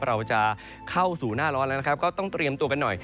เราจะเข้าสู่หน้าร้อนแล้วนะครับก็ต้องเตรียมตัวกันหน่อย